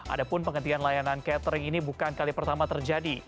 adapun penghentian layanan catering ini bukan kali pertama terjadi